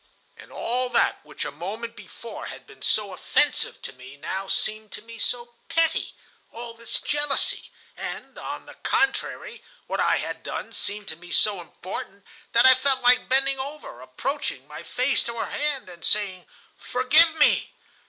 "And all that which a moment before had been so offensive to me now seemed to me so petty,—all this jealousy,—and, on the contrary, what I had done seemed to me so important that I felt like bending over, approaching my face to her hand, and saying: "'Forgive me!